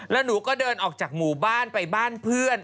แล้วหนูก็เดินออกจากหมู่บ้านไปบ้านเพื่อน